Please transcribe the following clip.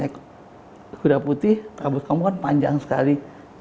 kuda putih kamu kan panjang sekali